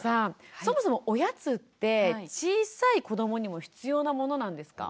そもそもおやつって小さい子どもにも必要なものなんですか？